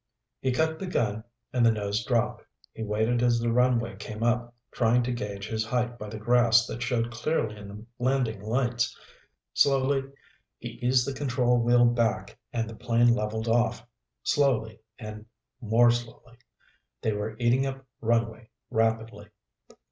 He cut the gun and the nose dropped. He waited as the runway came up, trying to gauge his height by the grass that showed clearly in the landing lights. Slowly he eased the control wheel back and the plane leveled off. Slowly and more slowly. They were eating up runway rapidly.